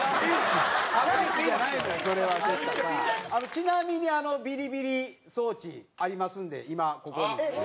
ちなみにあのビリビリ装置ありますので今ここに。